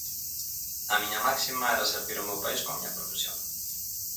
A miña máxima era servir ao meu país coa miña profesión.